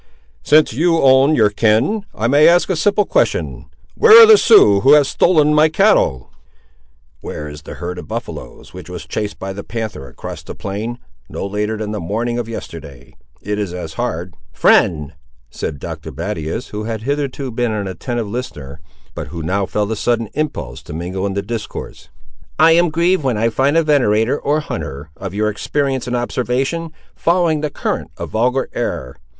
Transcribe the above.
"Since you own your kin, I may ask a simple question. Where are the Siouxes who have stolen my cattle?" "Where is the herd of buffaloes, which was chased by the panther across this plain, no later than the morning of yesterday? It is as hard—" "Friend," said Dr. Battius, who had hitherto been an attentive listener, but who now felt a sudden impulse to mingle in the discourse, "I am grieved when I find a venator or hunter, of your experience and observation, following the current of vulgar error.